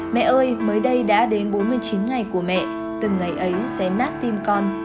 mẹ ơi mới đây đã đến bốn mươi chín ngày của mẹ từng ngày ấy xé nát tim con